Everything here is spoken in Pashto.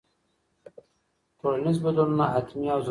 ټولنیز بدلونونه حتمي او ضروري دي.